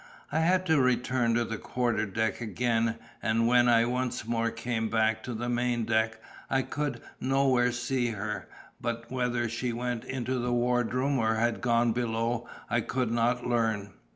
I had to return to the quarter deck again, and when I once more came back to the main deck, I could nowhere see her; but whether she went into the ward room or had gone below, I could not learn.